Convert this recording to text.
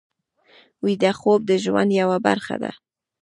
ویده خوب د ژوند یوه برخه ده